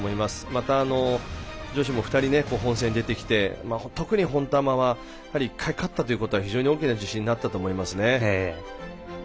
また、女子も２人本戦に出てきて特に本玉は１回勝ったということは非常に大きな自信になったと思いますね。